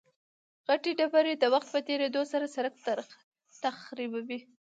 غټې ډبرې د وخت په تېرېدو سره سرک تخریبوي